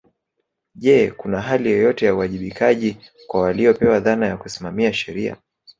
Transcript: Je kuna hali yoyote ya uwajibikaji kwa waliopewa dhana ya kusimamia sheria